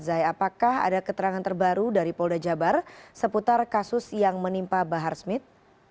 zai apakah ada keterangan terbaru dari polda jabar seputar kasus yang menimpa bahar smith